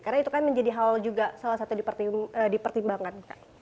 karena itu kan menjadi hal juga salah satu di pertimbangan